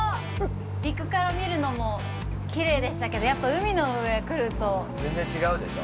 陸から見るのもきれいでしたけどやっぱ海の上来ると全然違うでしょ？